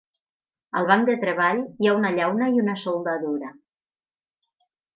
Al banc de treball hi ha una llauna i una soldadura.